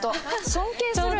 尊敬する。